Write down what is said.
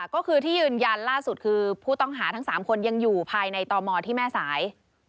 ก็คือที่ยืนยันล่าสุดคือผู้ต้องหาทั้ง๓คนยังอยู่ภายในตมที่แม่สาย